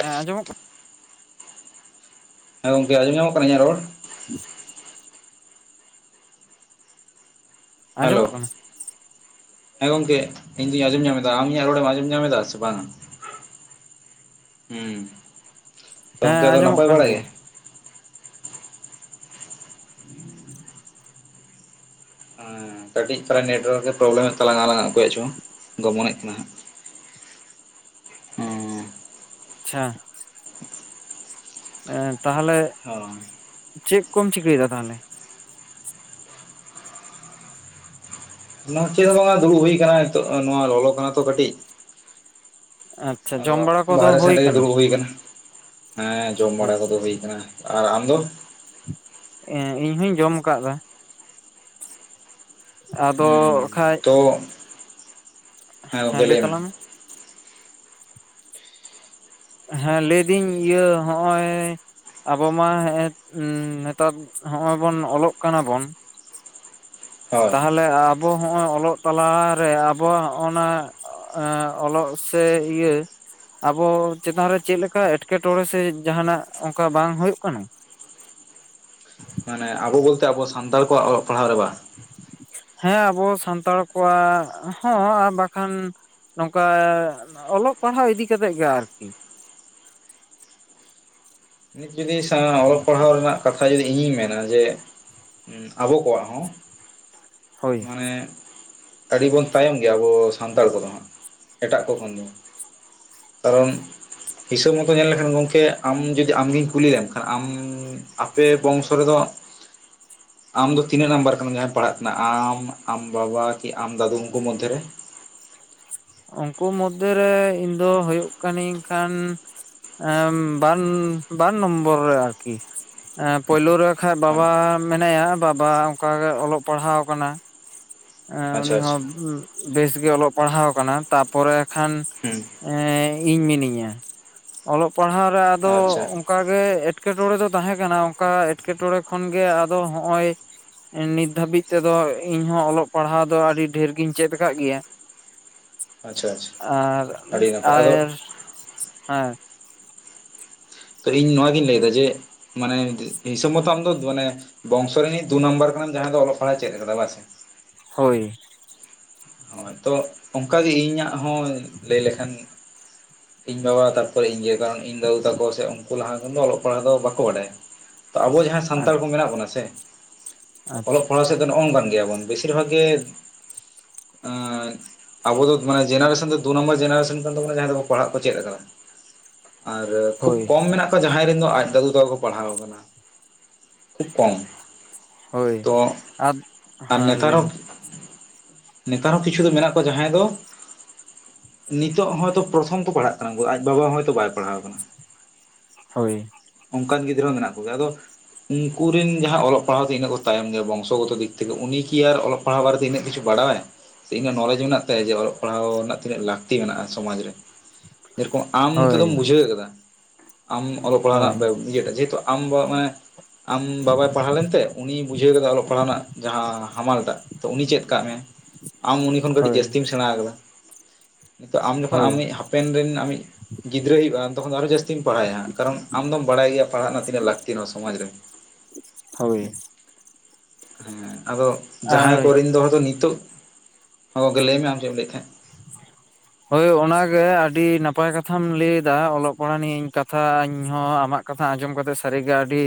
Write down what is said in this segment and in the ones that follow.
ᱦᱮᱸᱚᱢᱚᱜ ᱠᱟᱱᱟ? ᱦᱮᱸ ᱜᱚᱢᱠᱮ ᱟᱡᱚᱢ ᱧᱟᱢᱚᱜ ᱠᱟᱱᱟ ᱤᱧᱟᱹᱜ ᱨᱚᱲ? [unintelligible] ᱦᱮᱞᱳ᱾ ᱟᱸᱡᱚᱢᱚᱜ ᱠᱟᱱᱟ ᱦᱮᱸ ᱜᱚᱢᱠᱮ ᱤᱧᱫᱩᱧ ᱟᱸᱡᱚᱢ ᱧᱟᱢ ᱮᱫᱟ, ᱟᱢ ᱤᱧᱟᱹᱜ ᱨᱚᱲᱮᱢ ᱟᱸᱡᱚᱢ ᱧᱟᱢ ᱮᱫᱟ ᱥᱮ ᱵᱟᱝᱟ? ᱦᱮᱸ ᱛᱚ ᱦᱮᱸ ᱜᱟᱢᱠᱮ ᱟᱸᱡᱚᱢᱚᱜ ᱱᱟᱯᱟᱭ ᱠᱟᱱ ᱠᱚᱲᱟ ᱜᱮ? ᱜᱮᱭᱟ ᱦᱮᱸ ᱠᱟᱹᱴᱤᱡ ᱛᱟᱨᱟ ᱱᱮᱴᱳᱣᱟᱨᱠ ᱯᱨᱚᱵᱮᱞᱮᱢ ᱦᱩᱭᱩᱜ ᱛᱟᱞᱟᱝᱼᱟᱞᱟᱝᱟᱜ ᱚ ᱠᱚᱭᱭᱟᱜ ᱪᱚᱝ ᱜᱚᱢᱚᱱᱮᱫ ᱠᱟᱱᱟᱸᱜ᱾ ᱟᱪᱪᱷᱟ ᱮᱸ ᱛᱟᱦᱚᱞᱮ ᱦᱳᱭ ᱪᱮᱫ ᱠᱚᱢ ᱪᱤᱠᱟᱹᱭᱮᱫᱟ ᱛᱟᱦᱚᱞᱮ? ᱱᱚᱣᱟ ᱪᱮᱫ ᱦᱚᱸ ᱵᱟᱝᱟ ᱫᱩᱲᱩᱵ ᱦᱩᱭ ᱟᱠᱟᱱᱟ ᱱᱤᱛᱚᱜ ᱱᱚᱣᱟ ᱞᱚᱞᱚ ᱠᱟᱱᱟ ᱛᱚ ᱠᱟᱹᱴᱤᱡ᱾ ᱟᱪ [unintelligible] ᱟᱫᱚ ᱵᱟᱦᱨᱮ ᱥᱮᱱ ᱨᱮᱜᱮ ᱫᱩᱲᱩᱵ ᱦᱩᱭ ᱟᱠᱟᱱᱟ, ᱦᱮᱸ ᱡᱚᱢ ᱵᱟᱲᱟ ᱠᱚᱫᱚ ᱦᱩᱭ ᱟᱠᱟᱱᱟ᱾ ᱟᱨ ᱟᱢ ᱫᱚ? ᱮᱸ ᱤᱧᱦᱚᱧ ᱡᱚᱢ ᱟᱠᱟᱫᱟ᱾ ᱟᱫᱚ ᱦᱩᱸ ᱠᱷᱟᱡ ᱛᱚ ᱦᱮᱸ ᱜᱚᱢᱠᱮ ᱞᱟᱹᱭ ᱢᱮ? ᱦᱮᱸ ᱞᱟᱹᱭᱫᱟᱹᱧ ᱤᱭᱟᱹ ᱦᱚᱜᱼᱚᱭ ᱟᱵᱚ ᱢᱟ ᱱᱮᱛᱟᱨ ᱦᱚᱜᱚᱭ ᱵᱚᱱ ᱚᱞᱚᱜ ᱠᱟᱱᱟ ᱵᱚᱱ᱾ ᱦᱳᱭ ᱛᱟᱦᱚᱞᱮ ᱟᱵᱚ ᱦᱚᱸᱜᱼᱚᱭ ᱚᱞᱚᱜ ᱛᱟᱞᱟᱨᱮ ᱟᱵᱚᱣᱟᱜ ᱦᱚᱜᱼ ᱱᱟ ᱚᱞᱚᱜ ᱥᱮ ᱤᱭᱟᱹ ᱟᱵᱚ ᱪᱮᱛᱟᱱ ᱨᱮ ᱪᱮᱫ ᱞᱮᱠᱟ ᱮᱴᱠᱮᱴᱚᱬᱮ ᱥᱮ ᱡᱟᱦᱱᱟᱜ ᱚᱱᱠᱟ ᱵᱟᱝ ᱦᱩᱭᱩᱜ ᱠᱟᱱᱟ? ᱢᱟᱱᱮ ᱟᱵᱚ ᱵᱚᱞᱛᱮ ᱟᱵᱚ ᱥᱟᱱᱛᱟᱲ ᱠᱚᱣᱟᱜ ᱚᱞᱚᱜ ᱯᱟᱲᱦᱟᱜ ᱨᱮ ᱵᱟᱝ? ᱦᱮᱸ ᱟᱵᱚ ᱥᱟᱱᱛᱟᱲ ᱠᱚᱣᱟᱜ ᱦᱚᱸ ᱟᱨ ᱵᱟᱠᱷᱟᱱ ᱱᱚᱝᱠᱟ ᱚᱞᱚᱜ ᱯᱟᱲᱦᱟᱣ ᱤᱫᱤ ᱠᱟᱛᱮᱫ ᱜᱮ ᱟᱨᱠᱤ᱾ ᱱᱤᱛ ᱡᱩᱫᱤ ᱚᱞᱚᱜ ᱯᱟᱲᱦᱟᱣ ᱨᱮᱱᱟᱜ ᱠᱟᱛᱷᱟ ᱡᱚᱫᱤ ᱤᱧ ᱢᱮᱱᱟ ᱡᱮ ᱟᱵᱚ ᱠᱚᱣᱟᱜ ᱦᱚᱸ ᱦᱳᱭ ᱢᱟᱱᱮ ᱟᱹᱰᱤ ᱵᱚᱱ ᱛᱟᱭᱚᱢ ᱜᱮᱭᱟ ᱟᱵᱚ ᱥᱟᱱᱛᱟᱲ ᱠᱚᱫᱚᱦᱟᱸ ᱮᱴᱟᱜ ᱠᱚ ᱠᱷᱚᱱ ᱫᱚ ᱾ ᱠᱟᱨᱚᱱ ᱦᱤᱥᱟᱹᱵ ᱢᱚᱛᱚ ᱧᱮᱞ ᱞᱮᱠᱷᱟᱱ ᱜᱚᱢᱠᱮ ᱟᱢ ᱡᱩᱚᱫᱤ ᱟᱢᱜᱮᱧ ᱠᱩᱞᱤ ᱞᱮᱢ ᱠᱷᱟᱱ ᱟᱢ ᱟᱯᱮ ᱵᱚᱝᱥᱚ ᱨᱮᱫᱚ ᱟᱢ ᱫᱚ ᱛᱤᱱᱟᱹᱜ ᱱᱟᱢᱵᱟᱨ ᱠᱟᱱᱟᱢ ᱡᱟᱦᱟᱸᱭ ᱯᱟᱲᱦᱟᱜ ᱠᱟᱱᱟ? ᱟᱢ ᱟᱢ ᱵᱟᱵᱟ ᱠᱤ ᱟᱢ ᱫᱟᱫᱩ ᱩᱸᱠᱚ ᱢᱚᱫᱽᱫᱷᱮᱨᱮ᱾ ᱩᱱᱠᱩ ᱢᱚᱫᱽᱫᱷᱮᱨᱮ ᱤᱧ ᱫᱚ ᱦᱩᱭᱩᱜ ᱠᱟᱹᱤᱧ ᱠᱷᱟᱱ ᱵᱟᱨ ᱵᱟᱨ ᱱᱚᱢᱵᱚᱨ ᱨᱮ ᱟᱨᱠᱤ᱾ ᱯᱳᱭᱞᱳ ᱨᱮ ᱠᱷᱟᱱ ᱵᱟᱵᱟ ᱢᱮᱱᱟᱭᱟ ᱵᱟᱵᱟ ᱚᱱᱠᱟᱜᱮ ᱚᱞᱚᱜ ᱯᱟᱲᱦᱟᱣ ᱟᱠᱟᱱᱟᱭ᱾ ᱩᱱᱤ ᱟᱪᱪᱷᱟ ᱟᱪᱪᱷᱟ ᱦᱚᱸ ᱵᱮᱥᱜᱮ ᱚᱞᱚᱜ ᱯᱟᱲᱦᱟᱣ ᱟᱠᱟᱱᱟᱭ ᱛᱟᱯᱚᱨᱮ ᱠᱷᱟᱱ ᱦᱩᱸ ᱤᱧ ᱢᱤᱱᱟᱹᱧᱟ ᱚᱞᱚᱜ ᱯᱟᱲᱦᱟᱣ ᱨᱮ ᱟᱫᱚ ᱟᱪᱪᱷᱟ ᱚᱱᱠᱟ ᱜᱮ ᱮᱸᱴᱠᱮᱴᱚᱬᱮ ᱫᱚ ᱛᱟᱦᱮᱸ ᱠᱟᱱᱟ ᱚᱱᱠᱟ ᱮᱸᱴᱠᱮᱴᱚᱬᱮ ᱠᱷᱚᱱᱜᱮ ᱟᱫᱚ ᱦᱚᱜ-ᱚᱭ ᱱᱤᱛ ᱫᱷᱟᱹᱵᱤᱡ ᱛᱮᱫᱚ ᱤᱧ ᱦᱚᱸ ᱚᱞᱚᱜ ᱯᱟᱲᱦᱟᱣ ᱫᱚ ᱟᱹᱰᱤ ᱰᱷᱮᱨ ᱜᱤᱧ ᱪᱮᱫ ᱟᱠᱟᱫ ᱜᱮᱭᱟᱹ᱾ ᱟᱪᱪᱷᱟ ᱟᱪᱪᱷᱟ ᱟᱨ ᱟᱹᱰᱤ ᱱᱟᱯᱟᱭ ᱟᱫᱚ ᱟᱨ ᱦᱮᱸ ᱤᱧ ᱱᱚᱣᱟᱜᱤᱧ ᱞᱟᱹᱭ ᱮᱫᱟ ᱡᱮ ᱢᱟᱱᱮ ᱦᱤᱥᱟᱹᱵ ᱢᱚᱛᱚ ᱟᱢᱫᱚ ᱢᱟᱱᱮ ᱵᱚᱝᱥᱚ ᱨᱤᱱᱤᱡ ᱫᱩ ᱱᱟᱢᱵᱟᱨ ᱠᱟᱱᱟᱢ ᱡᱟᱦᱟᱸᱭ ᱫᱚ ᱚᱞᱚᱜ ᱯᱟᱲᱦᱟᱜ ᱪᱮᱫ ᱟᱠᱟᱫᱟ ᱵᱟᱝᱥᱮ? ᱦᱳᱭ ᱦᱳᱭ ᱛᱚ ᱚᱱᱠᱟᱜᱮ ᱤᱧᱟᱹᱜ ᱦᱚᱸ ᱞᱟᱹᱭ ᱞᱮᱠᱷᱟᱱ ᱤᱧ ᱵᱟᱵᱟ ᱛᱟᱨᱯᱚᱨᱮ ᱤᱧ ᱜᱮ ᱠᱟᱨᱚᱱ ᱤᱧ ᱫᱟᱹᱩ ᱛᱟᱠᱚ ᱥᱮ ᱩᱱᱠᱩ ᱞᱟᱦᱟ ᱠᱷᱚᱱ ᱚᱞᱚᱜ ᱯᱟᱲᱦᱟᱜ ᱫᱚ ᱵᱟᱠᱚ ᱵᱟᱰᱟᱭᱟ᱾ ᱛᱚ ᱟᱵᱚ ᱡᱟᱦᱟᱸᱭ ᱥᱟᱱᱛᱟᱲ ᱠᱚ ᱢᱮᱱᱟᱜ ᱵᱚᱱᱟ ᱥᱮ ᱟᱪᱪᱷᱟ ᱚᱞᱚᱜ ᱯᱟᱲᱦᱟᱜ ᱥᱮᱫ ᱫᱚ ᱱᱚᱝᱠᱟᱱ ᱜᱮᱭᱟᱵᱚᱱ ᱵᱮᱥᱤᱨ ᱵᱷᱟᱜᱽ ᱜᱮ ᱟᱡ [unintelligible] ᱟᱵᱚ ᱫᱚ ᱢᱟᱱᱮ ᱡᱮᱱᱟᱨᱮᱥᱚᱱ ᱫᱚ ᱫᱩ ᱱᱟᱢᱵᱟᱨ ᱡᱮᱱᱟᱨᱮᱥᱚᱱ ᱠᱟᱱ ᱛᱟᱵᱚᱱᱟ ᱡᱟᱦᱟᱸᱭ ᱫᱚ ᱯᱟᱲᱦᱟᱜ ᱠᱚ ᱪᱮᱫ ᱟᱠᱟᱫᱟ ᱾ ᱟᱨ ᱠᱷᱩᱵ ᱦᱳᱭ ᱠᱚᱢ ᱢᱮᱱᱟᱜ ᱟᱠᱟ ᱠᱟ ᱡᱟᱦᱟᱸᱭ ᱨᱮᱱ ᱫᱚ ᱟᱡ ᱫᱟᱫᱩ ᱛᱟ ᱠᱚ ᱯᱟᱲᱦᱟᱣ ᱟᱠᱟᱱᱟ ᱠᱷᱩᱵ ᱠᱚᱢ᱾ ᱦᱳᱭ ᱛᱚ ᱟᱫ ᱟᱨ ᱦᱚᱸ ᱱᱮᱛᱟᱨ ᱞᱟᱹᱭ ᱢᱮ? ᱱᱮᱛᱟᱨ ᱦᱚᱸ ᱠᱤᱪᱷᱩ ᱫᱚ ᱢᱮᱱᱟᱜ ᱠᱚᱣᱟ ᱡᱟᱦᱟᱸᱭ ᱫᱚ ᱱᱤᱛᱚᱜ ᱦᱚᱭᱛᱳ ᱯᱨᱚᱛᱷᱚᱢ ᱠᱚ ᱯᱟᱲᱦᱟᱜ ᱠᱟᱱᱟ ᱟᱡ ᱵᱟᱵᱟ ᱦᱚᱭᱛᱳ ᱵᱟᱭ ᱯᱟᱲᱦᱟᱣ ᱠᱟᱱᱟᱹ᱾ ᱦᱳᱭ ᱚᱱᱠᱟᱱ ᱜᱤᱫᱽᱨᱟᱹ ᱦᱚᱸ ᱢᱮᱱᱟᱜ ᱠᱚᱜᱮᱭᱟ ᱟᱫᱚ ᱩᱱᱠ ᱨᱮᱱ ᱡᱟᱦᱟᱸᱭ ᱚᱞᱚᱜ ᱯᱟᱲᱦᱟᱣ ᱛᱮ ᱤᱱᱟᱹᱜ ᱠᱚ ᱛᱟᱭᱚᱢ ᱜᱮᱭᱟ ᱵᱚᱝᱥᱚᱜᱚᱛᱚ ᱫᱤᱠ ᱛᱷᱮᱠᱮ ᱩᱱᱤ ᱠᱤ ᱟᱨ ᱚᱞᱚᱜ ᱯᱟᱲᱦᱟᱣ ᱨᱮ ᱫᱚ ᱤᱱᱟᱜ ᱠᱤᱪᱷᱩ ᱵᱟᱲᱟᱭ᱾ ᱤᱧᱹᱟᱜ ᱱᱚᱞᱮᱡᱽ ᱢᱮᱱᱟᱜ ᱛᱟᱭᱟ ᱡᱮ ᱚᱞᱚᱜ ᱯᱟᱲᱦᱟᱣ ᱨᱮᱱᱟᱜ ᱛᱤᱱᱟᱹᱜ ᱞᱟᱹᱠᱛᱤ ᱢᱮᱱᱟᱜᱼᱟ ᱥᱚᱢᱟᱡᱽ ᱨᱮ᱾ ᱡᱮᱨᱚᱠᱚᱢ ᱟᱢ ᱱᱤᱛᱚᱜ ᱦᱳᱭ ᱫᱚᱢ ᱵᱩᱡᱷᱟᱹᱣ ᱟᱠᱟᱫᱟ ᱟᱢ ᱚᱞᱚᱜ ᱯᱟᱲᱦᱟᱜ ᱦᱳᱭ ᱨᱮᱱᱟᱜ ᱡᱮᱦᱮᱛᱩ᱾ ᱟᱢᱵᱟᱣᱟ ᱢᱟᱱᱮ ᱟᱢ ᱵᱟᱵᱟᱭ ᱯᱟᱲᱦᱟᱣ ᱞᱮᱱᱛᱮ ᱩᱱᱤᱭ ᱵᱩᱡᱷᱟᱹᱣ ᱠᱟᱫᱟ ᱚᱞᱚᱜ ᱯᱟᱲᱦᱟᱣ ᱨᱮᱱᱟᱜ ᱡᱟᱦᱟᱸ ᱦᱟᱢᱟᱞ ᱴᱟᱜ᱾ ᱛᱚ ᱩᱱᱤ ᱪᱮᱫ ᱠᱟᱜ ᱢᱮ ᱟᱢ ᱩᱱᱤ ᱠᱷᱚᱱ ᱠᱟᱹᱴᱤᱡ ᱦᱳᱭ ᱡᱟᱹᱥᱛᱤᱢ ᱥᱮᱬᱟ ᱟᱠᱟᱫᱟ᱾ ᱱᱤᱛᱚᱜ ᱟᱢ ᱡᱚᱠᱷᱚᱱ ᱦᱳᱭ ᱟᱢᱤᱡ ᱦᱟᱯᱮᱱ ᱨᱮᱱ ᱟᱢᱤᱡ ᱜᱤᱫᱽᱨᱟᱹ ᱦᱩᱭᱩᱜᱼᱟ ᱛᱚᱠᱷᱚᱱ ᱟᱨᱚ ᱡᱟᱹᱥᱛᱤᱢ ᱯᱟᱲᱦᱟᱣ ᱮᱭᱟ ᱠᱟᱨᱚᱱ ᱟᱢ ᱫᱚᱢ ᱵᱟᱲᱟᱭ ᱜᱮᱭᱟ ᱯᱟᱲᱦᱟᱜ ᱨᱮᱱᱟᱜ ᱛᱤᱱᱟᱹᱜ ᱞᱟᱹᱠᱛᱤᱜ ᱱᱚᱣᱟ ᱥᱚᱢᱟᱡᱽ ᱨᱮ ᱦᱳᱭ ᱦᱮᱸ ᱟᱫᱚ ᱡᱟᱦᱟᱸᱭ ᱟᱨ ᱠᱚᱨᱮᱱ ᱫᱚ ᱦᱚᱲᱫᱚ ᱱᱤᱛᱚᱜ ᱦᱮᱸ ᱜᱚᱢᱠᱮ ᱞᱟᱹᱭ ᱢᱮ ᱟᱢ ᱪᱮᱫ ᱮᱢ ᱞᱟᱹᱭᱮᱫ ᱛᱟᱦᱮᱸᱫ [unintelligible] ᱦᱳᱭ ᱚᱱᱟᱜᱮ ᱟᱹᱰᱤ ᱱᱟᱯᱟᱭ ᱠᱟᱛᱷᱟᱢ ᱞᱟᱹᱭᱮᱫᱟ ᱚᱞᱚᱜ ᱯᱟᱲᱦᱟᱜ ᱱᱤᱭᱟᱹ ᱠᱟᱛᱷᱟ ᱤᱧ ᱦᱚᱸ ᱟᱢᱟᱜ ᱠᱟᱛᱷᱟ ᱟᱸᱡᱚᱢ ᱠᱟᱛᱮᱜ ᱥᱟᱹᱨᱤᱜᱮ ᱟᱹᱰᱤ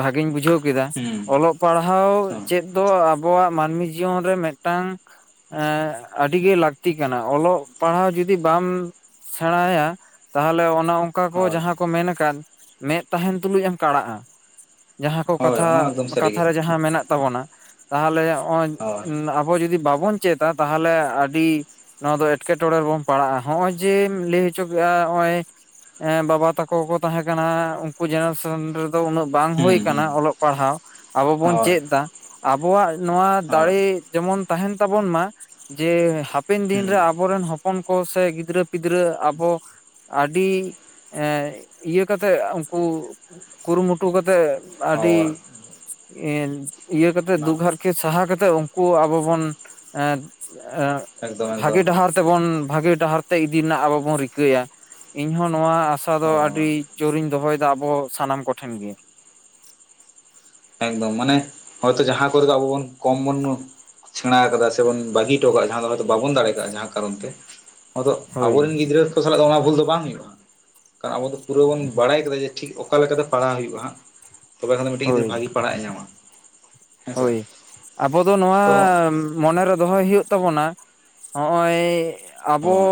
ᱵᱷᱟᱹᱜᱤᱧ ᱵᱩᱡᱷᱟᱹᱣ ᱠᱮᱫᱟ ᱦᱩᱸ ᱚᱞᱚᱜ ᱯᱟᱲᱦᱟᱣ ᱪᱮᱫ ᱫᱚ ᱟᱵᱚᱣᱟᱜ ᱢᱟᱹᱱᱢᱤ ᱡᱤᱭᱚᱱ ᱨᱮ ᱢᱤᱫᱴᱟᱝ ᱟᱹᱰᱤ ᱜᱮ ᱞᱟᱹᱠᱛᱤ ᱞᱟᱹᱠᱛᱤ ᱠᱟᱱᱟ ᱚᱞᱚᱜ ᱯᱟᱲᱦᱟᱣ ᱡᱩᱫᱤ ᱵᱟᱢ ᱥᱮᱬᱟᱭᱟ ᱛᱟᱦᱚᱞᱮ ᱚᱱᱟ ᱚᱠᱟ ᱠᱚ ᱦᱳᱭ ᱡᱟᱦᱟᱸ ᱠᱚ ᱢᱮᱱ ᱟᱠᱟᱫ ᱢᱮᱸᱫ ᱛᱟᱦᱮᱱ ᱛᱩᱞᱩᱡ ᱮᱢ ᱠᱟᱲᱟᱜᱼᱟ ᱡᱟᱦᱟᱸ ᱠᱚ ᱦᱳᱭ ᱦᱳᱭ ᱠᱟᱛᱷᱟ ᱚᱱᱟ ᱢᱟ ᱮᱠᱫᱚᱢ ᱠᱟᱛᱷᱟ ᱥᱟᱹᱨᱤᱜᱮ ᱨᱮ ᱡᱟᱦᱟᱸ ᱢᱮᱱᱟᱜ ᱛᱟᱵᱚᱱᱟ ᱛᱟᱦᱚᱞᱮ ᱦᱳᱭ ᱱᱚᱜᱚᱭ ᱟᱵᱚ ᱡᱩᱫᱤ ᱵᱟᱵᱚᱱ ᱪᱮᱫᱟ ᱛᱟᱦᱚᱞᱮ ᱟᱹᱰᱤ ᱱᱚᱣᱟ ᱫᱚ ᱮᱴᱠᱮᱴᱚᱬᱮ ᱨᱮᱵᱚᱱ ᱯᱟᱲᱟᱜᱼᱟ ᱱᱚᱜᱼᱚᱭ ᱡᱮ ᱞᱟᱹᱭ ᱦᱚᱪᱚ ᱠᱮᱫᱼᱟ ᱱᱚᱜᱼᱚᱭ ᱵᱟᱵᱟ ᱛᱟᱠᱚ ᱠᱚ ᱛᱟᱦᱮᱸ ᱠᱟᱱᱟ ᱩᱱᱠᱩ ᱡᱮᱱᱟᱨᱮᱥᱚᱱ ᱨᱮᱫᱚ ᱩᱱᱟᱹᱜ ᱵᱟᱝ ᱦᱩᱭ ᱦᱩᱸ ᱦᱩᱸ ᱟᱠᱟᱱᱟ ᱚᱞᱚᱜ ᱯᱟᱲᱦᱟᱣ ᱟᱵᱚ ᱵᱚᱱ ᱦᱳᱭ ᱪᱮᱫ ᱮᱫᱟ ᱟᱵᱚᱣᱟᱜ ᱱᱚᱣᱟ ᱦᱳᱭ ᱫᱟᱲᱮ ᱡᱮᱢᱚᱱ ᱛᱟᱦᱮᱸᱱ ᱛᱟᱵᱚᱱ ᱢᱟ ᱡᱮ ᱦᱟᱯᱮᱱ ᱦᱩᱸ ᱫᱤᱱᱨᱮ ᱟᱵᱚᱨᱮᱱ ᱦᱚᱯ ᱚᱱ ᱠᱚ ᱥᱮ ᱜᱤᱫᱽᱨᱟᱹ ᱯᱤᱫᱽᱨᱟᱹ ᱟᱵᱚ ᱟᱹᱰᱤ ᱤᱭᱟᱹ ᱠᱟᱛᱮᱫ ᱩᱱᱠᱩ ᱠᱩᱨᱩᱢᱩᱴᱩ ᱠᱟᱛᱮᱫ ᱟᱹᱰᱤ ᱦᱳᱭ ᱤᱭᱟᱹ ᱠᱟᱛᱮ ᱚᱱᱟ ᱫᱩᱠ ᱦᱟᱨᱠᱮᱛ ᱥᱟᱦᱟ ᱠᱟᱛᱮᱜ ᱩᱱᱠᱩ ᱟᱵᱚ ᱵᱚᱱ ᱮᱠᱫᱚᱢ [unintelligible] ᱵᱷᱟᱜᱤ ᱮᱠᱫᱚᱢ ᱰᱟᱦᱟᱨ ᱛᱮᱵᱚᱱ ᱵᱷᱟᱹᱜᱤ ᱰᱟᱦᱟᱨ ᱛᱮ ᱤᱫᱤ ᱨᱮᱱᱟᱜ ᱟᱵᱚ ᱵᱚᱱ ᱨᱤᱠᱟᱹᱭᱟ ᱤᱧ ᱦᱚᱸ ᱱᱚᱣᱟ ᱟᱥᱟ ᱫᱚ ᱦᱳᱭ ᱟᱹᱰᱤ ᱡᱳᱨ ᱤᱧ ᱫᱚᱦᱚᱭ ᱮᱫᱟ ᱟᱵᱚ ᱥᱟᱱᱟᱢ ᱠᱚᱴᱷᱮᱱ ᱜᱮ ᱮᱠᱫᱚᱢ ᱢᱟᱱᱮ ᱦᱚᱭ ᱛᱚ ᱡᱟᱦᱟᱸ ᱠᱚ ᱨᱮ ᱫᱚ ᱟᱵᱚ ᱵᱚᱱ ᱠᱚᱢ ᱵᱚᱱ ᱥᱮᱬᱟ ᱟᱠᱟᱫᱟ ᱥᱮᱵᱚᱱ ᱵᱟᱹᱜᱤ ᱦᱚᱴᱚ ᱠᱟᱜ-ᱟ ᱡᱟᱦᱟᱸ ᱫᱚ ᱦᱚᱭᱛᱚ ᱵᱟᱵᱚᱱ ᱫᱟᱲᱮ ᱠᱟᱜ-ᱟ ᱡᱟᱦᱟᱸ ᱠᱟᱨᱚᱱ ᱛᱮ ᱟᱫᱚ ᱦᱳᱭ ᱟᱵᱚᱨᱮᱱ ᱜᱤᱫᱽᱨᱟᱹ ᱠᱚ ᱥᱟᱞᱟᱜ ᱫᱚ ᱚᱱᱟ ᱵᱷᱩᱞ ᱫᱚ ᱵᱟᱝ ᱦᱩᱭᱩᱜ-ᱟ ᱟᱵᱚ ᱫᱚ ᱯᱩᱨᱟᱹ ᱵᱚᱱ ᱵᱟᱲᱟᱭ ᱟᱠᱟᱫᱟ ᱡᱮ ᱴᱷᱤᱠ ᱚᱠᱟᱞ ᱞᱮᱠᱟᱛᱮ ᱯᱟᱲᱦᱟᱣ ᱦᱩᱭᱩᱜ-ᱟ ᱦᱟᱸᱜ ᱛᱚᱵᱮ ᱠᱷᱟᱱ ᱫᱚ ᱢᱤᱫᱮᱱ ᱜᱤᱫᱽᱨᱟᱹ ᱦᱳᱭ ᱵᱷᱟᱹᱜᱮ ᱯᱟᱲᱦᱟᱜ ᱮ ᱧᱟᱢᱟ ᱦᱮᱸᱥᱮ ᱦᱳᱭ ᱟᱵᱚ ᱫᱚ ᱱᱚᱣᱟ ᱛᱚ ᱢᱚᱱᱮ ᱨᱮ ᱫᱚᱦᱚᱭ ᱦᱩᱭᱩᱜ ᱛᱟᱵᱚᱱᱟ ᱦᱚᱜᱚᱭ ᱟᱵᱚ ᱦᱳᱭ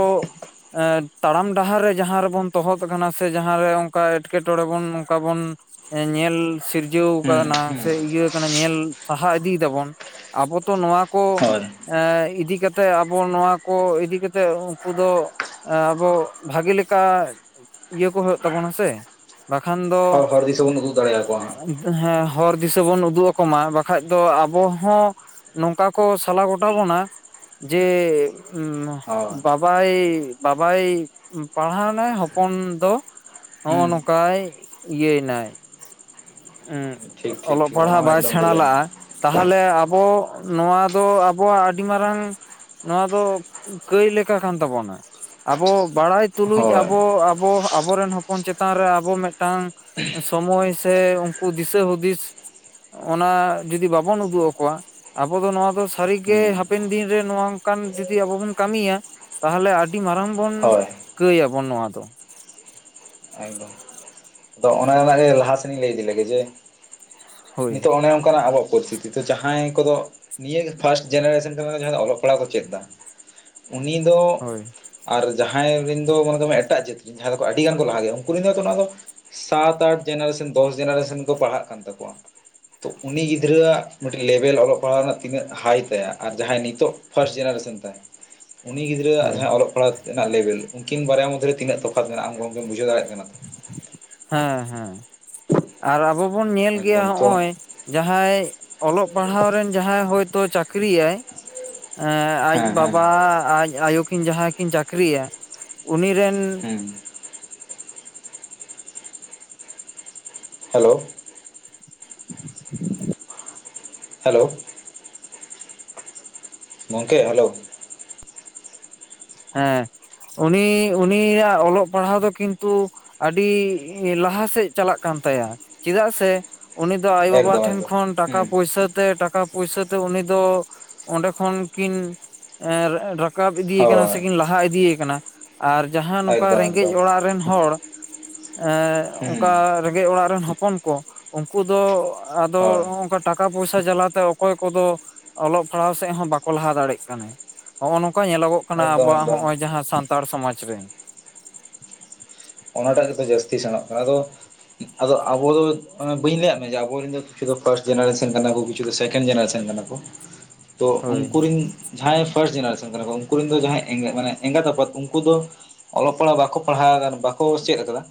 ᱮ ᱛᱟᱲᱟᱢ ᱰᱟᱦᱟᱨ ᱨᱮ ᱡᱟᱦᱟᱸ ᱨᱮ ᱵᱚᱱ ᱛᱚᱦᱚᱫ ᱟᱠᱟᱱᱟ ᱥᱮ ᱡᱟᱦᱟᱸ ᱨᱮ ᱚᱱᱠᱟ ᱮᱸᱴᱠᱮᱴᱚᱬᱮ ᱵᱚᱱ ᱚᱱᱠᱟ ᱵᱚᱱ ᱧᱮᱞ ᱥᱤᱨᱡᱟᱹᱣ ᱦᱩᱸ ᱟᱠᱟᱱᱟ ᱦᱩᱸ ᱥᱮ ᱤᱭᱟᱹ ᱟᱠᱟᱱᱟ ᱧᱮᱞ ᱥᱟᱦᱟ ᱤᱫᱤᱭ ᱮᱫᱟᱵᱚᱱ ᱟᱵᱚ ᱛᱚ ᱱᱚᱣᱟ ᱠᱚ ᱦᱳᱭ ᱮ ᱤᱫᱤ ᱠᱟᱛᱮᱫ ᱟᱵᱚ ᱱᱚᱣᱟ ᱠᱚ ᱤᱫᱤ ᱠᱟᱛᱮᱫ ᱩᱱᱠᱩ ᱫᱚ ᱟᱵᱚ ᱵᱷᱟᱜᱤ ᱞᱮᱠᱟ ᱤᱭᱟᱹ ᱠᱚ ᱦᱩᱭᱩᱜ ᱛᱟᱵᱚᱱᱟ ᱥᱮ ᱵᱟᱠᱷᱟᱱ ᱫᱚ ᱦᱚᱲ ᱦᱚᱨ ᱫᱤᱥᱟᱹ ᱵᱚᱱ ᱩᱫᱩᱜ ᱫᱟᱲᱮᱭᱟᱠᱚᱣᱟ ᱦᱟᱸᱜ ᱦᱮᱸ ᱦᱚᱨ ᱫᱤᱥᱟᱹ ᱵᱚᱱ ᱩᱫᱩᱜ ᱟᱠᱚ ᱢᱟ ᱵᱟᱠᱷ ᱵᱟᱠᱷᱟᱡ ᱫᱚ ᱟᱵᱚ ᱦᱚᱸ ᱱᱚᱝᱠᱟ ᱠᱚ ᱥᱟᱞᱟ ᱜᱚᱴᱟ ᱵᱚᱱᱟ ᱡᱮ ᱦᱳᱭ ᱵᱟᱵᱟᱭ ᱵᱟᱵᱟᱭ ᱯᱟᱲᱦᱟᱣ ᱮᱱᱟᱭ ᱦᱚᱯᱚᱱ ᱫᱚ ᱱᱚᱜᱚ ᱦᱩᱸ ᱱᱚᱝᱠᱟ ᱤᱭᱟᱹᱭᱱᱟᱭ ᱴᱷᱤᱠ ᱴᱷᱤᱠ ᱚᱞᱚᱜ ᱴᱷᱤᱠ ᱚᱱᱟ ᱯᱟᱲᱦᱟᱜ ᱢᱟ ᱵᱟᱭ ᱮᱠᱫᱚᱢ ᱠᱚ ᱥᱮᱬᱟ ᱞᱟᱹᱭᱟ ᱞᱟᱜ-ᱟ ᱛᱟᱦᱚᱞᱮ ᱟᱵᱚ ᱱᱚᱣᱟ ᱫᱚ ᱟᱵᱚᱣᱟᱜ ᱟᱹᱰᱤ ᱢᱟᱨᱟᱝ ᱱᱚᱣᱟ ᱫᱚ ᱠᱟᱹᱭ ᱞᱮᱠᱟ ᱠᱟᱱ ᱛᱟᱵᱚᱱᱟ ᱟᱵᱚ ᱵᱟᱲᱟᱭ ᱛᱩᱞᱩᱡ ᱦᱳᱭ ᱟᱵᱚ ᱟᱵᱚ ᱟᱵᱚ ᱨᱮᱱ ᱦᱚᱯᱚᱱ ᱪᱮᱛᱟᱱ ᱨᱮ ᱟᱵᱚ ᱢᱤᱫᱴᱟᱝ ᱥᱚᱢᱚᱭ ᱥᱮ ᱩᱱᱠᱩ ᱫᱤᱥᱟᱹ ᱦᱩᱫᱤᱥ ᱚᱱᱟ ᱡᱩᱫᱤ ᱵᱟᱵᱚᱱ ᱩᱫᱩᱜ ᱟᱠᱚᱣᱟ ᱟᱵᱚ ᱫᱚ ᱱᱚᱣᱟ ᱫᱚ ᱥᱟᱹᱨᱤ ᱜᱮ ᱦᱩᱸ ᱦᱟᱯᱮᱱ ᱫᱤᱱ ᱨᱮ ᱱᱚᱝᱠᱟᱱ ᱡᱩᱫᱤ ᱟᱵᱚ ᱵᱚᱱ ᱠᱟᱹᱢᱤᱭᱟ ᱛᱟᱦᱚᱞᱮ ᱟᱹᱰᱤ ᱢᱟᱨᱟᱝ ᱵᱚᱱ ᱦᱳᱭ ᱠᱟᱹᱭᱟᱵᱚᱱ ᱱᱚᱣᱟ ᱫᱚ ᱮᱠᱫᱚᱢ ᱟᱫᱚ ᱚᱱᱮ ᱚᱱᱟ ᱜᱮ ᱞᱟᱦᱟ ᱥᱮᱱ ᱤᱧ ᱞᱟᱹᱭ ᱤᱫᱤ ᱞᱮᱜᱮ ᱡᱮ ᱦᱳᱭ ᱱᱤᱛᱚᱜ ᱚᱱᱮ ᱚᱱᱠᱟᱱᱟᱜ ᱟᱵᱚᱣᱟᱜ ᱯᱚᱨᱤᱥᱛᱷᱤᱛᱤ ᱱᱤᱛᱚᱜ ᱡᱟᱦᱟᱸᱭ ᱠᱚᱫᱚ ᱱᱤᱭᱟᱹ ᱜᱮ ᱯᱷᱟᱥᱴ ᱡᱮᱱᱟᱨᱮᱥᱚᱱ ᱠᱟᱱᱟ ᱡᱟᱦᱟᱸᱭ ᱫᱚ ᱚᱞᱚᱜ ᱯᱟᱲᱦᱟᱜ ᱠᱚ ᱪᱮᱫ ᱮᱫᱟ ᱩᱱᱤ ᱫᱚ ᱦᱳᱭ ᱟᱨ ᱡᱟᱦᱟᱸᱭ ᱨᱮᱱ ᱫᱚ ᱢᱟᱱᱮ ᱫᱚᱢᱮ ᱮᱴᱟᱜ ᱡᱟᱹᱛᱤ ᱡᱟᱦᱟᱸᱭ ᱫᱚ ᱟᱹᱰᱤ ᱜᱟᱱ ᱠᱚ ᱞᱟᱦᱟ ᱜᱮᱭᱟ ᱩᱱᱠᱩ ᱨᱮᱱ ᱫᱚ ᱚᱱᱟ ᱫᱚ ᱥᱟᱛ ᱟᱴ ᱡᱮᱱᱟᱨᱮᱥᱮᱱ ᱫᱚᱥ ᱡᱮᱱᱟᱨᱮᱥᱮᱱ ᱠᱚ ᱯᱟᱲᱦᱟᱜ ᱠᱟᱱ ᱛᱟᱠᱚᱣᱟ ᱛᱚ ᱩᱱᱤ ᱜᱤᱫᱽᱨᱟᱹᱣ ᱟᱜ ᱢᱤᱫᱴᱤᱡ ᱞᱮᱵᱮᱞ ᱚᱞᱚᱜ ᱯᱟᱲᱦᱟᱜ ᱨᱮᱱᱟᱜ ᱛᱤᱱᱟᱹᱜ ᱦᱟᱭ ᱛᱟᱭᱟ ᱟᱨ ᱡᱟᱦᱟᱸᱭ ᱱᱤᱛᱚᱜ ᱯᱷᱟᱥᱴ ᱡᱮᱱᱟᱨᱮᱥᱮᱱ ᱛᱟᱭ [inaudible] ᱩᱱᱤ ᱜᱤᱫᱽᱨᱟᱹᱣᱟᱜ ᱦᱳᱭ ᱡᱟᱦᱟᱸ ᱚᱞᱚᱜ ᱯᱟᱲᱦᱟᱜ ᱨᱮᱱᱟᱜ ᱞᱮᱵᱮᱞ ᱩᱱᱠᱤᱱ ᱵᱟᱨᱭᱟ ᱢᱚᱫᱽᱫᱷᱮ ᱨᱮ ᱛᱤᱱᱟᱹᱜ ᱛᱚᱯᱷᱟᱛ ᱢᱮᱱᱟᱜᱼᱟ ᱟᱢ ᱜᱚᱢᱠᱮᱢ ᱵᱩᱡᱷᱟᱹᱣ ᱫᱟᱲᱮᱭᱟᱜ ᱠᱟᱱᱟ ᱦᱮᱸ ᱦᱮᱸ ᱟᱨ ᱟᱵᱚ ᱵᱚᱱ ᱧᱮᱞ ᱜᱮᱭᱟ ᱮᱠᱫᱚᱢ ᱛᱚ ᱦᱚᱸᱜ-ᱚᱭ ᱡᱟᱦᱟᱸᱭ ᱚᱞᱚᱜ ᱯᱟᱲᱦᱟᱣ ᱨᱮᱱ ᱡᱟᱦᱟᱸᱭ ᱦᱳᱭᱛᱚ ᱪᱟᱹᱠᱨᱤᱭᱟᱭ ᱮᱸ ᱟᱡ ᱦᱮᱸ ᱦᱮᱸ ᱵᱟᱵᱟ ᱟᱡ ᱟᱭᱳ ᱠᱤᱱ ᱡᱟᱦᱟᱸᱭ ᱠᱤᱱ ᱪᱟᱹᱠᱨᱤᱭᱟ ᱩᱱᱤ ᱨᱮᱱᱼᱼ ᱦᱩᱸ ᱦᱮᱞᱳ᱾ ᱦᱮᱞᱳ᱾ ᱜᱚᱢᱠᱮ ᱦᱮᱞᱳ ᱦᱮᱸ ᱩᱱᱤ ᱩᱱᱤᱭᱟᱜ ᱚᱞᱚᱜ ᱯᱟᱲᱦᱟᱣ ᱫᱚ ᱠᱤᱱᱛᱩ ᱟᱹᱰᱤ ᱞᱟᱦᱟ ᱥᱮᱫ ᱪᱟᱞᱟᱜ ᱠᱟᱱ ᱛᱟᱭᱟ ᱪᱮᱫᱟᱜ ᱥᱮ ᱩᱱᱤ ᱫᱚ ᱟᱭᱳ ᱵᱟᱵᱟ ᱮᱠᱫᱚᱢ ᱴᱷᱮᱱ ᱮᱠᱫᱚᱢ ᱠᱷᱚᱱ ᱴᱟᱠᱟ ᱦᱩᱸ ᱯᱩᱭᱥᱟᱹ ᱛᱮ ᱴᱟᱠᱟ ᱯᱩᱭᱥᱟᱹ ᱛᱮ ᱩᱱᱤ ᱫᱚ ᱚᱸᱰᱮ ᱠᱷᱚᱱ ᱠᱤᱱ ᱨᱟᱠᱟᱵ ᱤᱫᱤᱼᱼ [unintelligible] ᱦᱳᱭ ᱥᱮ ᱠᱤᱱ ᱞᱟᱦᱟ ᱤᱫᱤ ᱮᱠᱟᱱᱟ ᱟᱨ ᱡᱟᱦᱟᱸ ᱱᱚᱝᱠᱟ ᱮᱠᱫᱚᱢ ᱨᱮᱸᱜᱮᱡ ᱮᱠᱫᱚᱢ ᱚᱲᱟᱜ ᱨᱮᱱ ᱦᱚᱲ ᱮᱸ ᱦᱩᱸ ᱚᱱᱠᱟ ᱨᱮᱸᱜᱮᱡ ᱚᱲᱟᱜ ᱨᱮᱱ ᱦᱚᱯᱚᱱ ᱠᱚ ᱩᱱᱠᱩ ᱫᱚ ᱟᱫᱚ ᱦᱳᱭ ᱚᱝᱠᱟᱼᱼ ᱴᱟᱠᱟ ᱯᱚᱭᱥᱟ ᱡᱟᱞᱟ ᱛᱮ ᱚᱠᱚᱭ ᱠᱚᱫᱚ ᱚᱞᱚᱜ ᱯᱟᱲᱦᱟᱣ ᱥᱮᱫ ᱦᱚᱸ ᱵᱟᱠᱚ ᱞᱟᱦᱟ ᱫᱟᱲᱮᱭᱟᱜ ᱠᱟᱱᱟ ᱦᱚᱸᱜ-ᱚ ᱱᱚᱝᱠᱟ ᱧᱮᱞᱚᱜᱚᱜ ᱠᱟᱱᱟ ᱮᱠᱫᱚᱢ ᱟᱵᱚᱣᱟᱜ ᱮᱠᱫᱚᱢ ᱦᱚᱸᱜ-ᱚᱭ ᱡᱟᱦᱟᱸ ᱥᱟᱱᱛᱟᱲ ᱥᱚᱢᱟᱡᱽ ᱨᱮ ᱚᱱᱟᱴᱟᱜ ᱜᱮᱛᱚ ᱡᱟᱹᱥᱛᱤ ᱥᱮᱲᱚᱜ ᱠᱟᱱᱟ ᱟᱫᱚᱼᱼ ᱟᱫᱚ ᱟᱵᱚ ᱫᱚ ᱵᱟᱹᱧ ᱞᱟᱹᱭᱟᱫ ᱢᱮᱭᱟ ᱡᱮ ᱟᱵᱚᱨᱮᱱ ᱫᱚ ᱠᱤᱪᱷᱩ ᱫᱚ ᱯᱷᱟᱥᱴ ᱡᱮᱱᱟᱨᱮᱥᱮᱱ ᱠᱟᱱᱟ ᱠᱚ, ᱠᱤᱪᱷᱩ ᱫᱚ ᱥᱮᱠᱮᱱ ᱡᱮᱱᱟᱨᱮᱥᱮᱱ ᱠᱟᱱᱟ ᱠᱚ᱾ [inaudible] ᱛᱚ ᱩᱱᱠᱩ ᱨᱮᱱ ᱡᱟᱦᱟᱸᱭ ᱯᱷᱟᱥᱴ ᱡᱮᱱᱟᱨᱮᱥᱮᱱ ᱠᱟᱱᱟ ᱠᱚ ᱩᱱᱠᱩ ᱨᱮᱱ ᱫᱚ ᱡᱟᱦᱟᱸᱭ ᱢᱟᱱᱮ ᱮᱜᱟ ᱮᱜᱟᱛ ᱟᱯᱟᱛ ᱩᱱᱠᱩ ᱫᱚ ᱚᱞᱚᱜ ᱯᱟᱲᱦᱟᱜ ᱵᱟᱠᱚ ᱯᱟᱲᱦᱟᱣᱫᱟ ᱱᱚᱝᱠᱟ᱾ ᱠᱚ ᱪᱮᱫ ᱠᱟᱫᱟ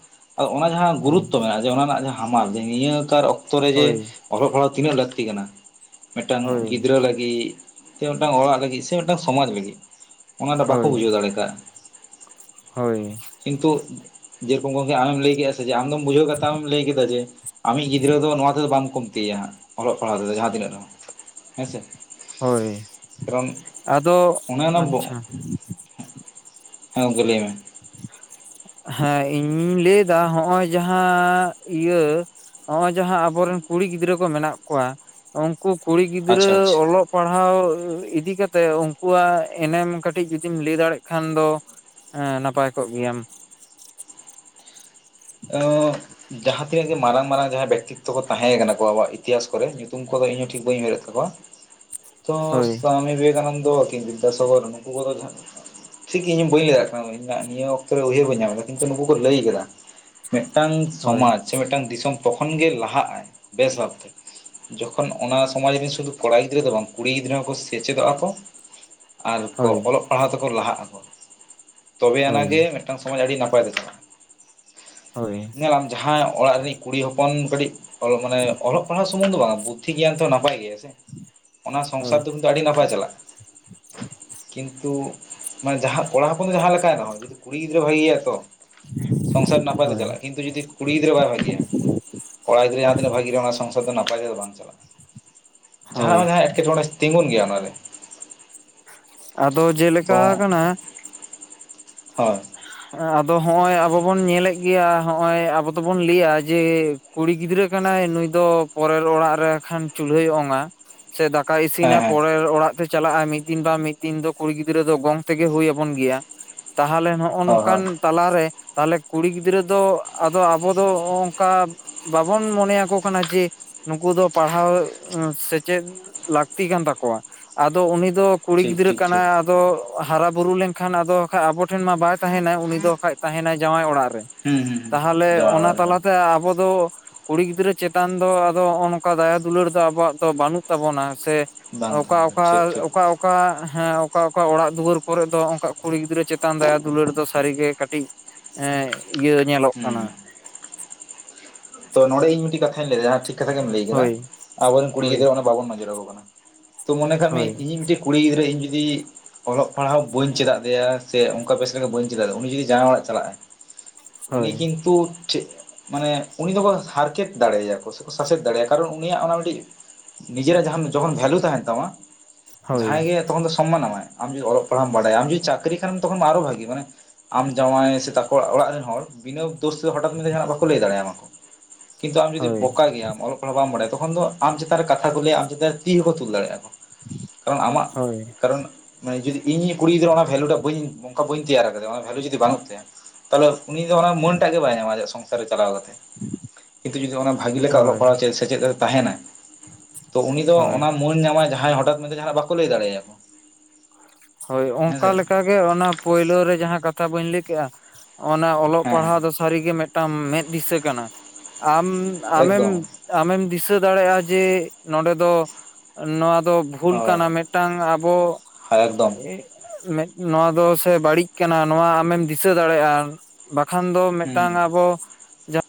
ᱚᱱᱟ ᱡᱟᱦᱟᱸ ᱦᱳᱭ ᱜᱩᱨᱩᱛᱛᱚ ᱢᱮᱱᱟᱜᱼᱟ ᱡᱮ ᱚᱱᱟ ᱨᱮᱱᱟᱜ ᱡᱟᱦᱟᱸ ᱦᱟᱢᱟᱞ ᱱᱤᱭᱟᱹ ᱠᱟᱨ ᱚᱠ ᱚᱠᱛᱚ ᱨᱮ ᱡᱮ ᱦᱳᱭ ᱚᱞᱚᱜ ᱯᱟᱲᱦᱟᱣ ᱛᱤᱱᱟᱹᱜ ᱞᱟᱹᱠᱛᱤ ᱠᱟᱱᱟ ᱢᱤᱫᱴᱟᱝ ᱦᱳᱭ ᱜᱤᱫᱽᱨᱟᱹ ᱞᱟᱹᱜᱤᱫ ᱥᱮ ᱢᱤᱫᱴᱟᱝ ᱚᱲᱟᱜ ᱞᱟᱹᱜᱤᱫ ᱥᱮ ᱢᱤᱫᱴᱟᱝ ᱥᱚᱢᱟᱡᱽ ᱞᱟᱹᱜᱤᱫ ᱚᱱᱟ ᱫᱚ ᱵᱟᱠᱚ ᱦᱳᱭ ᱵᱩᱡᱷᱟᱹᱣ ᱫᱟᱲᱮ ᱠᱟᱜ-ᱟ᱾ ᱦᱳᱭ᱾ ᱠᱤᱱᱛᱩ ᱡᱮᱨᱚᱠᱚᱢ ᱜᱚᱢᱠᱮ ᱟᱢᱮᱢ ᱞᱟᱹᱭ ᱠᱮᱜ-ᱟ᱾ [unintelligible] ᱟᱢ ᱫᱚᱢ ᱵᱩᱡᱷᱟᱹᱣ ᱠᱟᱫ ᱛᱮᱢ ᱞᱟᱹᱭ ᱠᱮᱫᱟ ᱡᱮ ᱟᱢᱤᱡ ᱜᱤᱫᱽᱨᱟᱹ ᱫᱚ ᱱᱚᱣᱟ ᱛᱮᱫᱚ ᱵᱟᱢ ᱠᱚᱢᱛᱤᱭᱟ ᱦᱟᱸᱜ ᱚᱞᱚᱜ ᱯᱟᱲᱦᱟᱣ ᱛᱮᱫᱚ ᱡᱟᱦᱟᱸ ᱛᱤᱱᱟᱹᱜ ᱨᱮᱦᱚᱸ ᱦᱮᱸ ᱥᱮ᱾ ᱦᱳᱭ ᱟᱫᱚ ᱚᱱᱮ ᱚᱱᱟ ᱟᱪᱪᱷᱟᱼᱼ ᱦᱮᱸ ᱜᱚᱝᱠᱮ ᱞᱟᱹᱭ ᱢᱮ᱾ ᱦᱮᱸ ᱤᱧᱤᱧ ᱞᱟᱹᱭᱫᱟ ᱦᱚᱸᱜᱼᱚᱭ ᱡᱟᱦᱟᱸ ᱤᱭᱟᱹ ᱦᱚᱸᱜᱼᱚᱭ ᱡᱟᱦᱟᱸ ᱟᱵᱚᱨᱮᱱ ᱠᱩᱲᱤ ᱜᱤᱫᱽᱨᱟᱹ ᱠᱚ ᱢᱮᱱᱟᱜ ᱠᱚᱣᱟ, ᱩᱱᱠᱩ ᱠᱩᱲᱤ ᱜᱤᱫᱽᱨᱟᱹ ᱟᱪᱪᱷᱟ ᱟᱪᱪᱷᱟ ᱚᱞᱚᱜ ᱯᱟᱲᱦᱟᱣ ᱤᱫᱤ ᱠᱟᱛᱮ ᱩᱱᱠᱩᱣᱟᱜ ᱮᱱᱮᱢ ᱠᱟᱹᱴᱤᱡ ᱡᱩᱫᱤᱢ ᱞᱟᱹᱭ ᱫᱟᱲᱮᱜ ᱠᱷᱟᱱ ᱫᱚ ᱮᱸ ᱱᱟᱯᱟᱭ ᱠᱚᱜ ᱜᱮᱭᱟᱢ᱾ ᱚᱸᱜ, ᱡᱟᱦᱟᱸ ᱛᱤᱱᱟᱹᱜ ᱜᱮ ᱢᱟᱨᱟᱝ ᱢᱟᱨᱟᱝ ᱡᱟᱦᱟᱸᱭ ᱵᱮᱠᱛᱤ ᱛᱚᱠᱚ ᱛᱟᱦᱮᱸ ᱠᱟᱱᱟ ᱟᱵᱣᱟᱜ ᱤᱛᱤᱦᱟᱥ ᱠᱚᱨᱮ ᱧᱩᱛᱩᱢ ᱠᱚᱫᱚ ᱤᱧ ᱦᱚᱸ ᱴᱷᱤᱠ ᱵᱟᱹᱧ ᱩᱭᱦᱟᱹᱨ ᱮᱫ ᱛᱟᱠᱚᱣᱟ ᱾ [unintelligible] ᱛᱚ ᱥᱟᱢᱤ ᱵᱤᱵᱮᱠᱟᱱᱚᱱᱫᱚ ᱠᱤ ᱵᱤᱫᱫᱟᱥᱟᱜᱚᱨ ᱱᱚᱠᱩ ᱠᱚᱫᱚ ᱡᱚ ᱴᱷᱤᱠ ᱤᱧ ᱦᱚᱸ ᱵᱟᱹᱧ ᱞᱟᱹᱭ ᱫᱟᱲᱮᱭᱟᱜ ᱠᱟᱱᱟ ᱤᱧᱟᱜ ᱱᱤᱭᱟᱹ ᱚᱠᱛᱚ ᱨᱮ ᱩᱭᱦᱟᱹᱨ ᱵᱟᱹ ᱧᱟᱢ ᱮᱫᱟ ᱠᱤᱱᱛᱩ ᱱᱩᱠᱩ ᱠᱚ ᱞᱟᱹᱭ ᱠᱮᱫᱟ᱾ ᱢᱤᱫᱴᱟᱝ ᱦᱳᱭ ᱥᱚᱢᱟᱡᱽ ᱢᱤᱫᱴᱟᱝ ᱫᱤᱥᱚᱢ ᱛᱚᱠᱷᱚᱱ ᱜᱮ ᱞᱟᱦᱟᱜ ᱟᱭ ᱵᱮᱥ ᱵᱷᱟᱵᱛᱮ, ᱡᱚᱠᱷᱚᱱ ᱚᱱᱟ ᱥᱚᱢᱟᱡᱽ ᱨᱮᱱ ᱥᱩᱫᱷᱩ ᱠᱚᱲᱟ ᱜᱤᱫᱽᱨᱟᱹ ᱫᱚ ᱵᱟᱝ ᱠᱩᱲᱤ ᱜᱤᱫᱽᱨᱟᱹ ᱦᱚᱸᱠᱚ ᱥᱮᱪᱮᱫᱚᱜ-ᱟ ᱠᱚ ᱟᱨ ᱠᱚ ᱦᱳᱭ ᱚᱞᱚᱜ ᱯᱟᱲᱦᱟᱣ ᱛᱮᱠᱚ ᱞᱟᱦᱟ ᱟᱠᱚ ᱛᱚᱵᱮ ᱟᱱᱟᱜ ᱦᱳᱭ ᱜᱮ ᱢᱤᱫᱴᱟᱝ ᱥᱚᱢᱟᱡᱽ ᱟᱹᱰᱤ ᱱᱟᱯᱟᱭ ᱛᱮ ᱪᱟᱞᱟᱜ᱾ ᱦᱳᱭ ᱧᱮᱞᱟᱢ ᱡᱟᱦᱟᱸᱭ ᱚᱲᱟᱜ ᱨᱤᱱᱤᱡ ᱠᱩᱲᱤ ᱦᱚᱯᱚᱱ ᱫᱚ ᱠᱟᱹᱴᱤᱡ ᱛᱚ, ᱢᱟᱱᱮ ᱚᱞᱚᱜ ᱯᱟᱲᱦᱟᱣ ᱥᱩᱢᱚᱱ ᱫᱚ ᱵᱟᱝ ᱵᱩᱫᱫᱷᱤ ᱜᱮᱭᱟᱱ ᱛᱚ ᱱᱟᱯᱟᱭ ᱜᱮᱭᱟ ᱥᱮ ᱚᱱᱟ ᱥᱚᱝᱥᱟᱨ ᱦᱳᱭ ᱫᱚ ᱛᱚ ᱟᱹᱰᱤ ᱱᱟᱯᱟᱭ ᱪᱟᱞᱟᱜᱼᱟ᱾ ᱠᱤᱱᱛᱩ ᱢᱟᱱᱮ ᱡᱟᱦᱟ ᱠᱚᱲᱟ ᱦᱚᱯᱚᱱ ᱫᱚ ᱡᱟᱦᱟᱸ ᱞᱮᱠᱟᱭ ᱨᱮᱦᱚᱸ ᱡᱚᱫᱤ ᱠᱩᱲᱤ ᱜᱤᱫᱽᱨᱟᱹ ᱵᱷᱟᱹᱜᱤ ᱜᱮᱭᱟ ᱛᱚ ᱥᱚᱝᱥᱟᱨ ᱱᱟᱯᱟᱭ ᱛᱮ ᱦᱳᱭ ᱪᱟᱞᱟᱜᱼᱟ ᱠᱤᱱᱛᱩ ᱡᱩᱫᱤ ᱠᱩᱲᱤ ᱜᱤᱫᱽᱨᱟᱹ ᱵᱟᱭ ᱵᱷᱟᱹᱜᱤᱭᱟ [inaudible] ᱠᱚᱲᱟ ᱜᱤᱫᱽᱨᱟᱹ ᱡᱟᱦᱟᱸ ᱛᱤᱱᱟᱹᱜ ᱵᱷᱟᱹᱜᱤ ᱨᱮᱦᱚᱸ ᱚᱱᱟ ᱥᱚᱝᱥᱟᱨ ᱫᱚ ᱱᱟᱯᱟᱭ ᱫᱚ ᱵᱟᱝ ᱪᱟᱞᱟᱜᱼᱟ ᱡᱟᱦᱟᱱᱟᱜ ᱦᱳᱭ ᱵᱟᱝ ᱡᱟᱦᱟᱸ ᱮᱴᱠᱮᱴᱚᱬᱮ ᱛᱤᱸᱜᱩᱱ ᱜᱮᱭᱟ ᱚᱱᱟ ᱨᱮ ᱟᱫᱚ ᱡᱮᱞᱮᱠᱟ ᱛᱚ ᱟᱠᱟᱱᱟ ᱦᱳᱭ ᱟᱫᱚ ᱦᱚᱜᱼᱚᱸᱭ ᱟᱵᱚ ᱵᱚᱱ ᱧᱮᱞᱮᱫ ᱜᱮᱭᱟ ᱦᱚᱜᱼᱚᱸᱭ ᱟᱵᱚ ᱫᱚᱵᱚᱱ ᱞᱟᱹᱭᱟ ᱡᱮ ᱠᱩᱲᱤ ᱜᱤᱫᱽᱨᱟᱹ ᱠᱟᱱᱟᱭ ᱱᱩᱭ ᱫᱚ ᱯᱚᱨᱮᱨ ᱚᱲᱟᱜ ᱨᱮ ᱠᱷᱟᱱ ᱪᱩᱞᱦᱟᱹᱭ ᱚᱝᱼᱟ ᱥᱮ ᱫᱟᱠᱟᱭ ᱦᱮᱸ ᱤᱥᱤᱱᱟ ᱦᱮᱸ ᱯᱚᱨᱮᱨ ᱚᱲᱟᱜ ᱪᱟᱞᱟᱜᱼᱟ ᱢᱤᱫ ᱫᱤᱱ ᱵᱟ ᱢᱤᱫ ᱫᱤᱱ ᱫᱚ ᱠᱩᱲᱤ ᱜᱤᱫᱽᱨᱟᱹ ᱫᱚ ᱜᱚᱝ ᱛᱮᱜᱮ ᱦᱳᱭ ᱟᱵᱚᱱ ᱜᱮᱭᱟ ᱛᱟᱦᱚᱞᱮ ᱱᱚᱜ [unintelligible] ᱦᱳᱭ ᱦᱳᱭ ᱚᱱᱠᱟᱱ ᱛᱟᱞᱟᱨᱮ ᱛᱟᱦᱚᱞᱮ ᱠᱩᱲᱤ ᱜᱤᱫᱽᱨᱟᱹ ᱫᱚ ᱟᱫᱚ ᱟᱵᱚ ᱫᱚ ᱦᱚᱜ ᱚᱝᱠᱟ ᱵᱟᱵᱚᱱ ᱢᱚᱱᱮᱭᱟᱠᱚ ᱠᱟᱱᱟ ᱡᱮ ᱱᱩᱠᱩ ᱫᱚ ᱯᱟᱲᱦᱟᱣ ᱥᱮᱪᱮᱫ ᱞᱟᱹᱠᱛᱤ ᱠᱟᱱ ᱛᱟᱠᱚᱣᱟ ᱟᱫᱚ ᱩᱱᱤ ᱫᱚ ᱠᱩᱲᱤ ᱴᱷᱤᱠ ᱜᱤᱫᱽᱨᱟᱹ ᱴᱷᱤᱠ ᱴᱷᱤᱠ ᱠᱟᱱᱟᱭ ᱟᱫᱚ ᱦᱟᱨᱟ ᱵᱩᱨᱩ ᱞᱮᱱᱠᱷᱟᱱ ᱟᱫᱚ ᱠᱷᱟᱡ ᱟᱵᱚ ᱴᱷᱮᱱ ᱢᱟ ᱵᱟᱭ ᱛᱟᱦᱮᱱᱟᱭ ᱩᱱᱤ ᱫᱚ ᱵᱟᱠᱷᱟᱡ ᱛᱟᱦᱮᱱᱟᱭ ᱡᱟᱶᱟᱭ ᱚᱲᱟᱜ ᱨᱮ ᱦᱩᱸ ᱦᱩᱸ ᱦᱩᱸ ᱛᱟᱦᱚᱞᱮ ᱡᱟᱶᱟᱭ ᱚᱱᱟ ᱚᱲᱟᱜ ᱨᱮᱦᱚᱸ ᱛᱟᱞᱟᱛᱮ ᱟᱵᱚ ᱫᱚ ᱠᱩᱲᱤ ᱜᱤᱫᱽᱨᱟᱹ ᱪᱮᱛᱟᱱ ᱫᱚ ᱟᱫᱚ ᱦᱚᱜᱼᱚᱸᱭ ᱱᱚᱝᱠᱟ ᱫᱟᱭᱟ ᱫᱩᱞᱟᱹᱲ ᱫᱚ ᱟᱵᱚᱣᱟᱜ ᱫᱚ ᱵᱟᱹᱱᱩᱜ ᱛᱟᱵᱚᱱᱟ ᱥᱮ ᱵᱟᱝ ᱛᱟᱦᱮᱱ ᱚᱠᱟ ᱠᱟᱱᱟ ᱴᱷᱤᱠ ᱚᱠᱟ ᱴᱷᱤᱠ ᱚᱠᱟ ᱚᱠᱟ ᱦᱮᱸ ᱚᱠᱟ ᱚᱠᱟ ᱚᱲᱟᱜ ᱫᱩᱣᱟᱹᱨ ᱠᱚᱨᱮ ᱫᱚ ᱦᱚᱜ ᱚᱝᱠᱟ ᱠᱩᱲᱤ ᱜᱤᱫᱽᱨᱟᱹ ᱪᱮᱛᱟᱱ ᱫᱟᱭᱟ ᱫᱩᱞᱟᱹᱲ ᱫᱚ ᱥᱟᱹᱨᱤᱜᱮ ᱠᱟᱹᱴᱤᱡ [unintelligible] ᱤᱭᱟᱹ ᱧᱮᱞᱚᱜ ᱦᱩᱸ ᱠᱟᱱᱟ ᱛᱚ ᱱᱚᱰᱮ ᱤᱧ ᱢᱤᱴᱤᱡ ᱠᱟᱛᱷᱟᱧ ᱞᱟᱹᱭᱮᱫᱟ ᱦᱟᱸᱜ ᱴᱷᱤᱠ ᱠᱟᱛᱷᱟ ᱜᱮᱢ ᱞᱟᱹᱭ ᱠᱮᱫᱟ ᱦᱳᱭ ᱟᱵᱚᱨᱮᱱ ᱠᱩᱲᱤ ᱦᱳᱭ ᱜᱤᱫᱽᱨᱟᱹ ᱚᱱᱟ ᱵᱟᱵᱚᱱ ᱱᱚᱡᱚᱨ ᱟᱠᱚ ᱠᱟᱱᱟ ᱛᱚ ᱢᱚᱱᱮ ᱠᱟᱜ ᱢᱮ ᱦᱳᱭ ᱤᱻᱧᱤᱡ ᱢᱤᱫᱴᱤᱡ ᱠᱩᱲᱤ ᱜᱤᱫᱽᱨᱟᱹ ᱤᱧ ᱡᱩᱫᱤ ᱚᱞᱚᱜ ᱯᱟᱲᱦᱟᱜ ᱵᱟᱹᱧ ᱪᱮᱫ ᱟᱫᱮᱭᱟ ᱥᱮ ᱚᱱᱠᱟ ᱵᱮᱥ ᱞᱮᱠᱟ ᱵᱟᱹᱧ ᱪᱮᱫ ᱟᱫᱮᱭᱟ ᱩᱱᱤ ᱡᱩᱫᱤ ᱡᱟᱶᱟᱭ ᱚᱲᱟᱜ ᱪᱟᱞᱟᱜᱼᱟᱭ [inaudible] ᱩᱱᱤ ᱦᱳᱭ ᱠᱤᱱᱛᱩ [unintelligible] ᱢᱟᱱᱮ ᱩᱱᱤ ᱫᱚᱠᱚ ᱦᱟᱨᱠᱮᱛ ᱫᱟᱲᱮᱭᱟᱠᱚ [unintelligible] ᱥᱟᱥᱮᱛ ᱫᱟᱲᱮᱭᱟ ᱠᱟᱨᱚᱱ ᱩᱱᱤᱭᱟᱜ ᱚᱱᱟ ᱢᱤᱫᱴᱤᱡ ᱱᱤᱡᱮᱨᱟᱜ ᱡᱟᱦᱟᱢ ᱡᱚᱠᱷᱚᱱ ᱵᱷᱮᱞᱩ ᱛᱟᱦᱮᱱ ᱛᱟᱢᱟ ᱡᱟᱦᱟᱸᱭ ᱦᱳᱭ ᱜᱮ ᱛᱚᱠᱷᱚᱱ ᱫᱚ ᱥᱚᱢᱢᱟᱱ ᱟᱢᱟᱭ ᱟᱢ ᱡᱚᱫᱤ ᱚᱞᱚᱜ ᱯᱟᱲᱦᱟᱜ ᱵᱟᱲᱟᱭ ᱟᱢ ᱡᱚᱫᱤ ᱪᱟᱹᱠᱨᱤ ᱠᱷᱟᱱᱮᱢ ᱛᱚᱠᱷᱚᱱ ᱢᱟ ᱟᱨᱚ ᱵᱷᱟᱹᱜᱤ ᱢᱟᱱᱮ ᱟᱢ ᱡᱟᱶᱟᱭ ᱥᱮ ᱛᱟᱠᱚ ᱚᱲᱟᱜ ᱨᱮᱱ ᱦᱚᱲ ᱵᱤᱱᱟᱹ ᱫᱳᱥᱛᱮ ᱦᱚᱴᱟᱛ ᱢᱮᱱᱛᱮ ᱡᱟᱦᱟᱱᱟᱜ ᱵᱟᱠᱚ ᱞᱟᱹᱭ ᱫᱟᱲᱮᱭᱟᱢᱟ ᱠᱚ ᱠᱤᱱᱛᱩ ᱟᱢ ᱡᱩᱫᱤ ᱦᱳᱭ ᱵᱳᱠᱟ ᱜᱮᱭᱟᱢ ᱚᱞᱚᱜ ᱚᱞᱚᱜ ᱵᱟᱢ ᱵᱟᱲᱟᱭᱟ ᱛᱚᱠᱷᱚᱱ ᱫᱚ ᱟᱢ ᱪᱮᱛᱟᱱ ᱨᱮ ᱠᱟᱛᱷᱟ ᱠᱚ ᱞᱟᱹᱭᱟ ᱟᱢ ᱪᱮᱛᱟᱱ ᱨᱮ ᱛᱤ ᱦᱚᱸᱠᱚ ᱛᱩᱞ ᱫᱟᱲᱮᱭᱟᱜᱼᱟ ᱠᱚ ᱠᱟᱨᱚᱱ ᱟᱢᱟᱜ ᱦᱳᱭ ᱠᱟᱨᱚᱱ ᱢᱟᱱᱮ ᱡᱩᱫᱤ ᱤᱧ ᱠᱩᱲᱤ ᱜᱤᱫᱽᱨᱟᱹ ᱚᱱᱟ ᱵᱷᱮᱞᱩ ᱴᱟᱜ ᱵᱟᱹᱧ ᱚᱱᱠᱟ ᱵᱟᱹᱧ ᱛᱮᱭᱟᱨ ᱠᱟᱫᱮᱭᱟ ᱚᱱᱟ ᱵᱷᱮᱞᱩ ᱡᱩᱫᱤ ᱵᱟᱹᱱᱩᱜ ᱛᱟᱭᱟ ᱛᱟᱦᱚᱞᱮ ᱩᱱᱤ ᱫᱚ ᱚᱱᱟ ᱢᱟᱹᱱ ᱴᱟᱜ ᱜᱮ ᱵᱟᱭ ᱧᱟᱢᱟ ᱟᱭᱟᱡ ᱥᱚᱝᱥᱟᱨ ᱪᱟᱞᱟᱣ ᱠᱟᱛᱮ [inaudible] ᱠᱤᱱᱛᱩ ᱡᱩᱫᱤ ᱚᱱᱟ ᱵᱷᱟᱹᱜᱤ ᱞᱮᱠᱟ ᱚᱞᱚᱜ ᱦᱳᱭ ᱯᱟᱲᱦᱟᱜ ᱪᱮᱫ ᱥᱮᱪᱮᱫ ᱨᱮ ᱛᱟᱦᱮᱱᱟ ᱛᱚ ᱩᱱᱤ ᱫᱚ ᱦᱳᱭ ᱚᱱᱟ ᱢᱟᱹᱱ ᱧᱟᱢᱟᱭ ᱡᱟᱦᱟᱸᱭ ᱦᱚᱴᱟᱛ ᱢᱮᱱᱛᱮ ᱡᱟᱦᱟᱱᱟᱜ ᱵᱟᱠᱚ ᱞᱟᱹᱭ ᱫᱟᱲᱮᱭᱟᱭᱟ ᱠᱚ ᱦᱳᱭ ᱚᱱᱠᱟ ᱞᱮᱠᱟᱜᱮ ᱚᱱᱟ ᱯᱳᱭᱞᱳ ᱨᱮ ᱡᱟᱦᱟᱸ ᱠᱟᱛᱷᱟ ᱵᱟᱹᱧ ᱞᱟᱹᱭ ᱠᱮᱜᱼᱟ ᱚᱱᱟ ᱚᱞᱚᱜ ᱦᱮᱸ ᱦᱮᱸ ᱯᱟᱲᱦᱟᱣ ᱫᱚ ᱥᱟᱹᱨᱤᱜᱮ ᱢᱤᱫᱴᱟᱝ ᱢᱮᱫ ᱫᱤᱥᱟᱹ ᱠᱟᱱᱟ ᱟᱢ ᱟᱢᱮᱢ ᱟᱢᱮᱢ ᱫᱤᱥᱟᱹ ᱫᱟᱲᱮᱭᱟᱜᱼᱟ ᱡᱮ ᱱᱚᱰᱮ ᱫᱚ ᱱᱚᱣᱟ ᱫᱚ ᱵᱷᱩᱞ ᱠᱟᱱᱟ ᱢᱤᱫᱴᱟᱝ ᱟᱵᱚ [unintelligible] ᱢᱮᱫ ᱱᱚᱣᱟ ᱫᱚ ᱥᱮ ᱵᱟᱹᱲᱤᱡ ᱠᱟᱱᱟ ᱱᱚᱣᱟ ᱟᱢᱮᱢ ᱫᱤᱥᱟᱹ ᱫᱟᱲᱮᱭᱟᱜᱼᱟ ᱵᱟᱠᱷᱟᱱ ᱫᱚ ᱢᱤᱫᱴᱟᱝ ᱟᱵᱚ